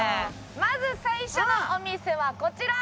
まず最初のお店はこちら！